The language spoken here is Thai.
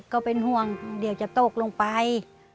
ก็เป็นห่วงเดี๋ยวจะตกลงไป